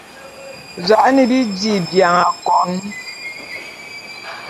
Za'an bi dí bian akôn.